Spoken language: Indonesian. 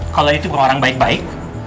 kalau itu orang baik baik